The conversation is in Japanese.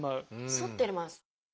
反ってます。